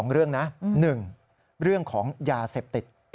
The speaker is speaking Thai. ๒เรื่องนะ๑เรื่องของยาเสพติด